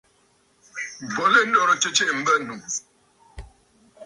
Bo lɛ ndoritə tsiʼi mbə̂nnù.